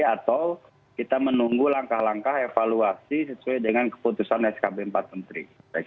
atau kita menunggu langkah langkah evaluasi sesuai dengan keputusan skb empat menteri